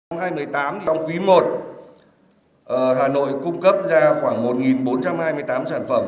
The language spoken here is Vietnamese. năm hai nghìn một mươi tám trong quý i hà nội cung cấp ra khoảng một bốn trăm hai mươi tám sản phẩm